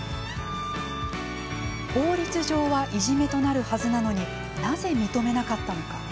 法律上はいじめとなるはずなのになぜ、認めなかったのか。